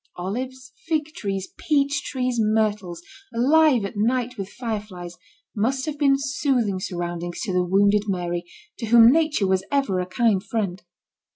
Olives, fig trees, peach trees, myrtles, alive at night with fire flies, must have been soothing surroundings to the wounded Mary, to whom nature was ever a kind friend.